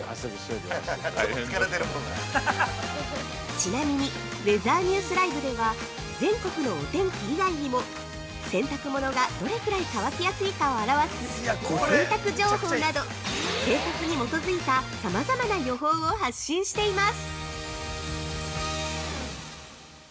◆ちなみに、ウェザーニュースＬｉＶＥでは、全国のお天気以外にも洗濯物がどれくらい乾きやすいかを表す「お洗濯情報」など生活に基づいたさまざまな予報を発信しています。